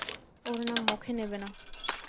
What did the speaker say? ওর নাম মুখে নেবে না।